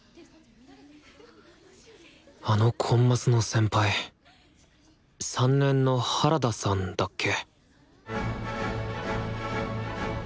あのコンマスの先輩３年の原田さんだっけ？